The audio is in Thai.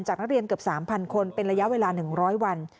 นักเรียนเกือบ๓๐๐คนเป็นระยะเวลา๑๐๐วัน